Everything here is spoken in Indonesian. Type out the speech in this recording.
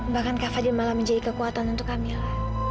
bahkan kak fadil malah menjadi kekuatan untuk kak mila